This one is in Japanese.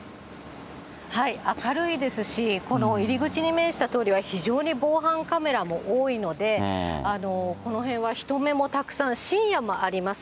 はい、明るいですし、この入り口に面した通りは非常に防犯カメラも多いので、この辺は人目もたくさん、深夜もあります。